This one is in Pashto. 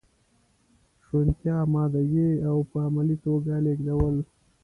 شونتیا، امادګي او په عملي توګه لیږدول.